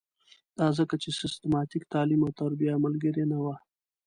دا ځکه چې سیستماتیک تعلیم او تربیه ملګرې نه وه.